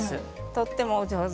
とてもお上手。